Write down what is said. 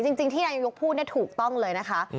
จริงที่นายกพูดถูกต้องเลยนะคะ